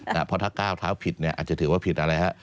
เพราะถ้าก้าวเท้าผิดเนี่ยอาจจะถือว่าผิดอะไรฮะ